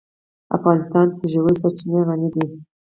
افغانستان په ژورې سرچینې غني دی.